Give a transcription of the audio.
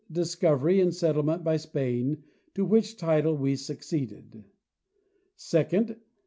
Discovery and settlement by Spain, to which title we succeeded. . Second.